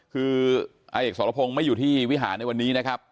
คืออาเอกสรพงศ์ไม่อยู่ที่วิหารในวันนี้นะครับ